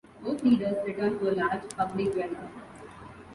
Both leaders returned to a large public welcome.